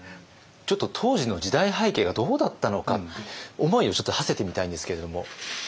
ちょっと当時の時代背景がどうだったのかって思いをちょっとはせてみたいんですけれども。